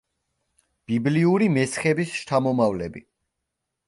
ბიბლიური მესხების შთამომავლები.